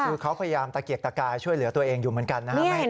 คือเขาพยายามตะเกียกตะกายช่วยเหลือตัวเองอยู่เหมือนกันนะครับ